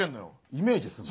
イメージするの？